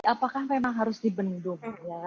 apakah memang harus dibendung